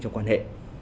trong quan hệ